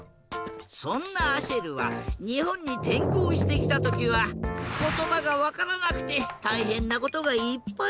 そんなアシェルはにほんにてんこうしてきたときはことばがわからなくてたいへんなことがいっぱいあったんだ。